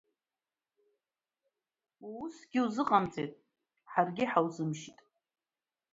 Уусгьы узыҟамҵеит, ҳаргьы ҳаузымшьит.